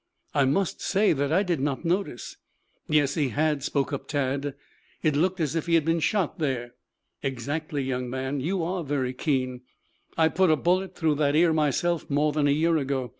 "I must say that I did not notice." "Yes, he had," spoke up Tad. "It looked as if he had been shot there." "Exactly, young man. You are very keen. I put a bullet through that ear myself, more than a year ago.